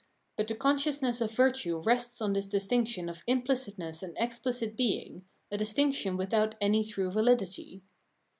But the consciousness of virtue rests on this distinction of implicitness and exphcit being, a distraction with out any true vahdity.